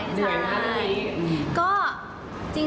เหนื่อยมากเลย